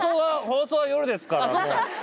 放送は夜ですから。